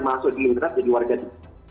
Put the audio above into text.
maksudnya kita tetap jadi warga digital